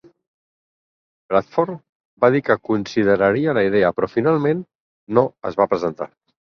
Bradford va dir que consideraria la idea, però finalment no es va presentar.